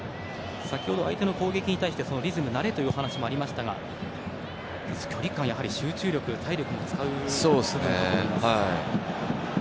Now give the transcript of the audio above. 先ほど、相手の攻撃に対してリズム、慣れというお話もありましたが距離感、集中力体力も使う部分かと思います。